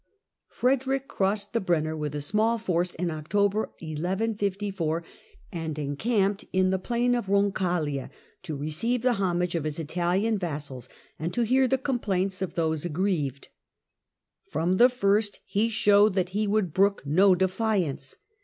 Frederick crossed the Brenner with a small force in October 1154, and en camped in the plain of Roncaerlia to receive the homage Frederick I 's First of his Italian vassals and to hear the complaints of those liaiiaa Ex aggrieved. From the first he showed that he would P^^f'°°' brook no defiance.